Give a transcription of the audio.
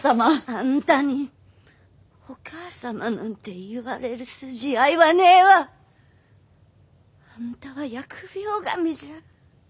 あんたにお義母様なんて言われる筋合いはねえわ！あんたは疫病神じゃ。